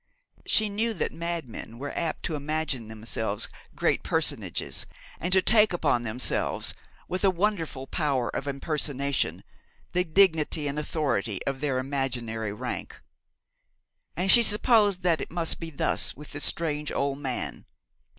She knew that madmen are apt to imagine themselves great personages, and to take upon themselves, with a wonderful power of impersonation, the dignity and authority of their imaginary rank; and she supposed that it must be thus with this strange old man.